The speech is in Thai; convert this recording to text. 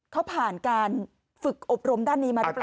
เขาผ่านการฝึกอบรมด้านนี้มาหรือเปล่า